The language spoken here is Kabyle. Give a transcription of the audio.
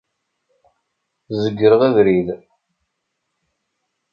Zegreɣ abrid.